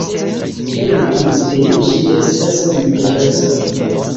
Entute ĝi estas interesa.